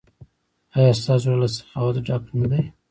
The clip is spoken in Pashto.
ایا ستاسو زړه له سخاوت ډک نه دی؟